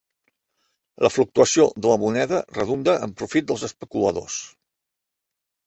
La fluctuació de la moneda redunda en profit dels especuladors.